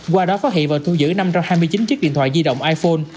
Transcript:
qua đó phát hiện và thu giữ năm trăm hai mươi chín chiếc điện thoại di động iphone